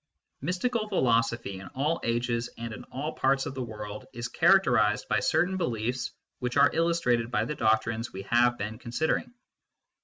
Mystical philosophy, in all ages and in all parts of the world, is characterised by certain beliefs which are illus trated by the doctrines we have been considering.